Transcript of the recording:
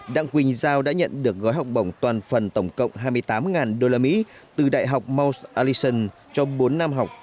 đặng quỳnh giao đã nhận được gói học bổng toàn phần tổng cộng hai mươi tám usd từ đại học mos allision cho bốn năm học